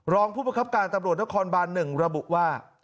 รองผู้ประคับการตำรวจนครบาน๑ระบุว่า